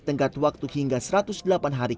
tenggat waktu hingga satu ratus delapan hari